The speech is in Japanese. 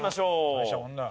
大したもんだ。